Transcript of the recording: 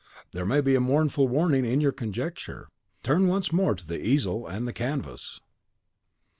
There may be a mournful warning in your conjecture. Turn once more to the easel and the canvas!"